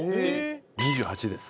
２８です。